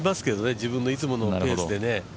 自分のいつものペースでね。